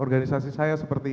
organisasi saya seperti ini